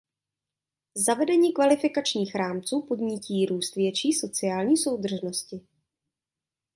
Zavedení kvalifikačních rámců podnítí růst větší sociální soudržnosti.